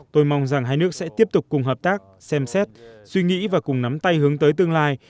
tôi mong rằng hai nước sẽ tiếp tục cùng hợp tác xem xét suy nghĩ và cùng nắm tay hướng tới tương lai